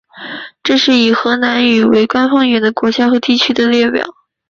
这是一个以荷兰语为官方语言的国家和地区的列表。